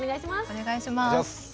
お願いします。